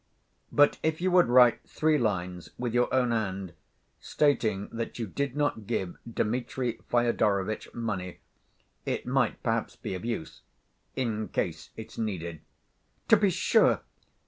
But if you would write three lines with your own hand, stating that you did not give Dmitri Fyodorovitch money, it might, perhaps, be of use ... in case it's needed...." "To be sure!"